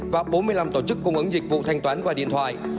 và bốn mươi năm tổ chức cung ứng dịch vụ thanh toán qua điện thoại